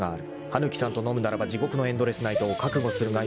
［羽貫さんと飲むならば地獄のエンドレスナイトを覚悟するがよい］